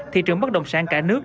thị trường bất động sản cả nước